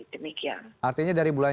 dan puncaknya di februari